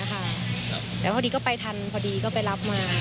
แต่พอดีก็ไปทันพอดีก็ไปรับมา